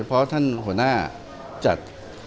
เพราะท่านหัวหน้าจัด